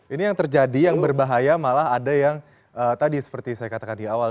ini yang terjadi yang berbahaya malah ada yang tadi seperti saya katakan di awal